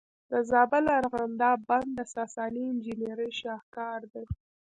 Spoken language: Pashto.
د زابل ارغنداب بند د ساساني انجینرۍ شاهکار دی